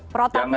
prototnya lah ya